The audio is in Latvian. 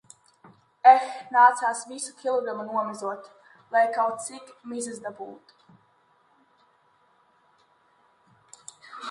Eh... Nācās visu kilogramu nomizot, lai kaut cik mizas dabūtu.